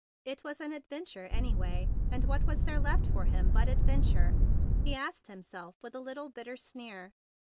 It was an adventure, anyway, and what was there left for him but ad¬ venture? he asked himself with a little bitter sneer.